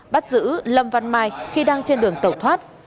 bắt giữ lâm văn mai khi đang trên đường tẩu thoát